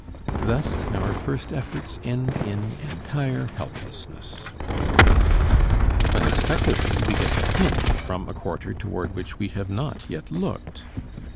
Thus our first efforts end in entire helplessness. Unexpectedly we get a hint from a quarter toward which we have not yet looked.